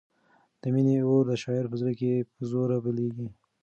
د مینې اور د شاعر په زړه کې په زور بلېږي.